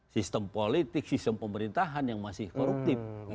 sistem politik sistem pemerintahan yang masih koruptif